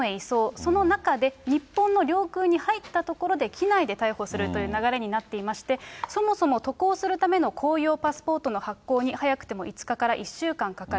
その中で、日本の領空に入ったところで機内で逮捕するという流れになっていまして、そもそも渡航するための公用パスポートの発行に早くても５日から１週間かかる。